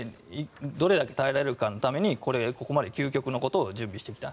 どれだけ耐えられるかのためにここまで究極のことを準備してきた。